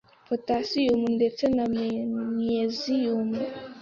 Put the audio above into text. potasiyumu ndetse na manyeziyumu.